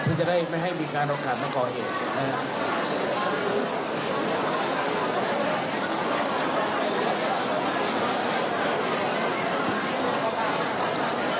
เพื่อจะได้ไม่ให้มีการโอกาสมาก่อเหตุนะครับ